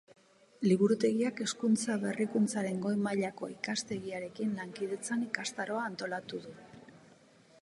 Liburutegiak, Hezkuntza Berrikuntzaren Goi Mailako Ikastegiarekin lankidetzan, ikastaroa antolatu du.